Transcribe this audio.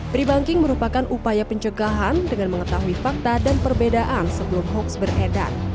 pre banking merupakan upaya pencegahan dengan mengetahui fakta dan perbedaan sebelum hoax beredar